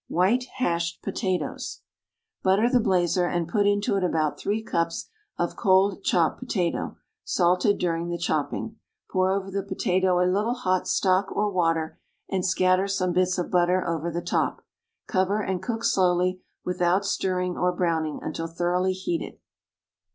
=White Hashed Potatoes.= Butter the blazer and put into it about three cups of cold chopped potato, salted during the chopping. Pour over the potato a little hot stock, or water, and scatter some bits of butter over the top. Cover, and cook slowly, without stirring or browning, until thoroughly heated.